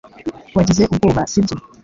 Wagize ubwoba si byo